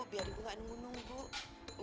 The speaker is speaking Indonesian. biar ibu tidak menunggu nunggu